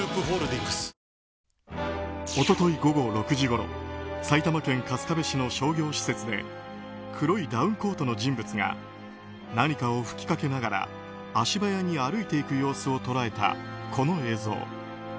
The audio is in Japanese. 一昨日午後６時ごろ埼玉県春日部市の商業施設で黒いダウンコートの人物が何かを吹きかけながら足早に歩いていく様子を捉えたこの映像。